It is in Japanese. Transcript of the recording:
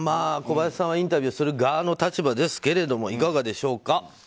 小林さんはインタビューする側の立場ですけれどもいかがでしょうか？